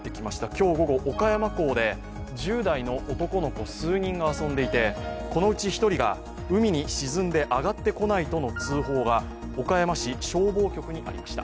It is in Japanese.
今日午後、岡山港で１０代の男の子数人が遊んでいてこのうち１人が海に沈んで上がってこないとの通報が岡山市消防局にありました。